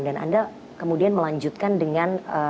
dan anda kemudian melanjutkan dengan